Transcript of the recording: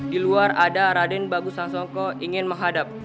diluar ada raden bagusang songko ingin menghadap